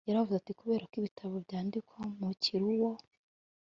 yaravuze ati kubera ko ibitabo byandikwa mu kiluwo